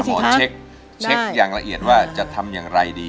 หมอเช็คอย่างละเอียดว่าจะทำอย่างไรดี